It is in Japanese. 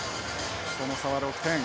その差は６点。